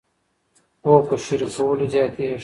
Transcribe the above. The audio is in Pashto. پوهه په شریکولو زیاتیږي.